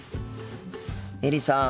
エリさん。